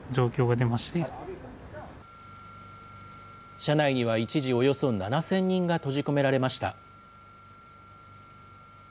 車内には一時、およそ７０００人が閉じ込められました。